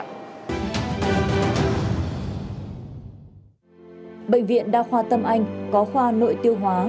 bệnh viện đa khoa tâm anh có khoa nội tiêu hóa